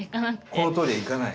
このとおりにはいかない。